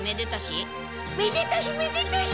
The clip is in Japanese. めでたしめでたし！